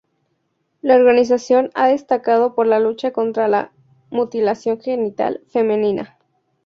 La organización ha destacado por la lucha contra la mutilación genital femenina.